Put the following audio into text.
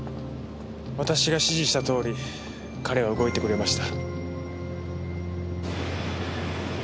私が指示したとおり彼は動いてくれました。